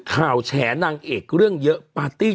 แฉนางเอกเรื่องเยอะปาร์ตี้